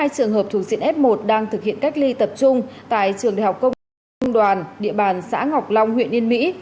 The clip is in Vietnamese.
bốn mươi hai trường hợp thường diện f một đang thực hiện cách ly tập trung tại trường đại học công đoàn địa bàn xã ngọc long huyện yên mỹ